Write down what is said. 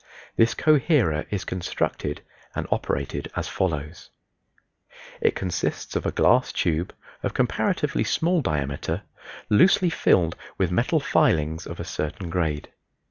This coherer is constructed and operated as follows: It consists of a glass tube, of comparatively small diameter, loosely filled with metal filings of a certain grade.